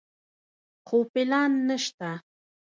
خو پلان نشته.